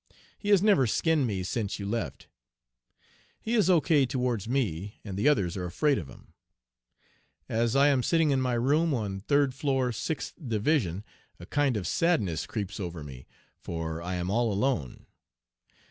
He has never 'skinned' me since you left. He is O.K. towards me, and the others are afraid of him .... As I am sitting in my room on third floor, sixth 'div,' a kind of sadness creeps over me, for I am all alone.